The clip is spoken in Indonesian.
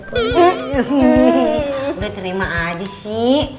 udah terima aja sih